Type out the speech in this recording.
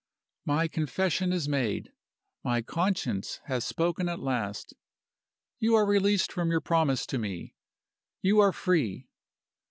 "My confession is made; my conscience has spoken at last. You are released from your promise to me you are free.